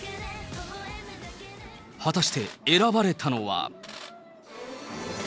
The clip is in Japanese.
果たして、選ばれたのは。